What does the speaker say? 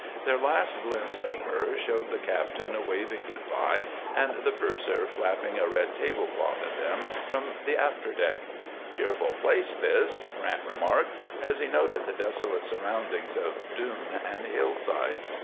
Their last glimpse of her showed the captain waving good by and the purser flapping a red table cloth at them from the after deck. "Cheerful place, this," Grant remarked, as he noted the desolate surroundings of dune and hillside.